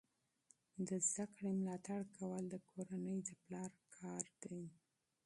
د زده کړې ملاتړ کول د کورنۍ د پلار کار دی.